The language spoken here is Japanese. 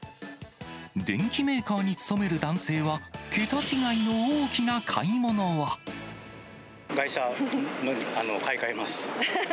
電機メーカーに勤める男性は、外車を買い替えます。